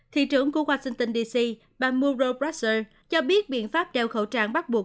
thị trường của washington dc bà muro brasser cho biết biện pháp đeo khẩu trang bắt buộc